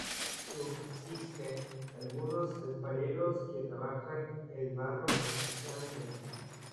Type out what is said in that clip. Subsisten algunos alfareros que trabajan el barro magistralmente.